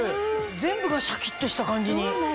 全部がシャキっとした感じに。